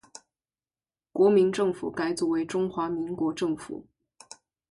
国民政府改组为中华民国政府。